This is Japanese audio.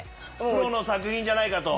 プロの作品じゃないかと。